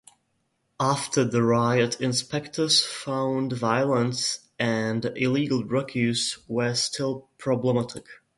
After the riot inspectors found violence and illegal drug use were still problematic.